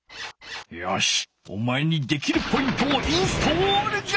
よしおまえにできるポイントをインストールじゃ！